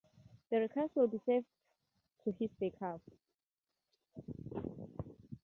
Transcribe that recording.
The request will be saved to his backup.